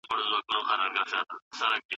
خو عمل باید په تدبیر وي.